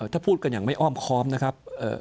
ถ้าพูดกันอย่างไม่อ้อมค้อมนะครับ